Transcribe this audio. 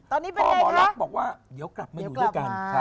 ตอนนี้เป็นแดดนะป่าหมอรับบอกว่าเดี๋ยวกลับมาอยู่ด้วยกัน